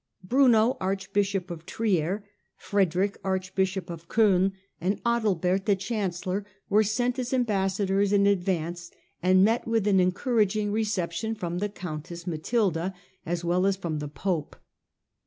Bruno, archbishop of 'lYier ; Frederick, archbishop of 05ln ; and Adalbert, Henry V. *^® chancelloF, Were sent as ambassadors in Ttei?iiSy^ advance, and met with an encouraging re ^"® ception from the countess Matilda as well as fh)m the pope.